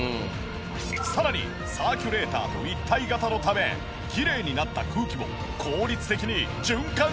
さらにサーキュレーターと一体型のためきれいになった空気を効率的に循環してくれる。